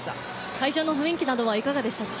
会場の雰囲気などはどうでしたか？